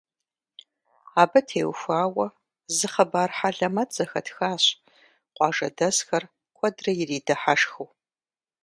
Абы теухуауэ зы хъыбар хьэлэмэт зэхэтхащ, къуажэдэсхэр куэдрэ иридыхьэшхыу.